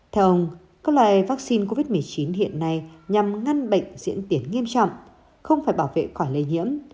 theo ông các loại vaccine covid một mươi chín hiện nay nhằm ngăn bệnh diễn tiến nghiêm trọng không phải bảo vệ khỏi lây nhiễm